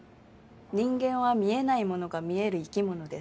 人間は見えないものが見える生き物です